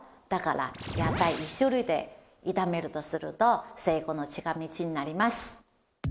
だから野菜１種類で炒めるとすると成功の近道になります。